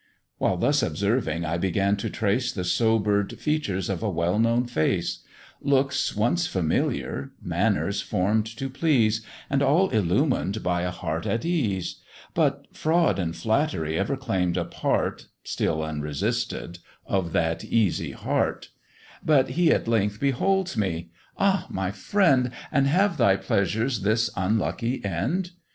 While thus observing, I began to trace The sober'd features of a well known face Looks once familiar, manners form'd to please, And all illumined by a heart at ease: But fraud and flattery ever claim'd a part (Still unresisted) of that easy heart; But he at length beholds me "Ah! my friend! "And have thy pleasures this unlucky end?"